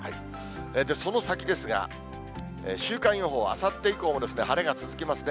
その先ですが、週間予報、あさって以降も晴れが続きますね。